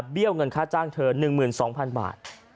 ี้ยวเงินค่าจ้างเธอ๑๒๐๐๐บาท